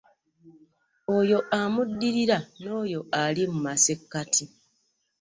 Oyo amuddirira n'oyo ali mu masekkati